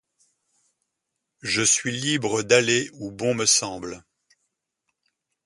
Je suis libre d’aller où bon me semble.